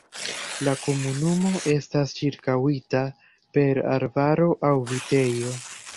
La komunumo estas ĉirkaŭita per arbaro aŭ vitejo.